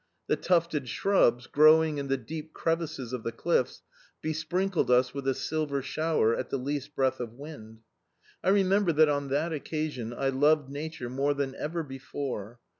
The tufted shrubs, growing in the deep crevices of the cliffs, besprinkled us with a silver shower at the least breath of wind. I remember that on that occasion I loved Nature more than ever before.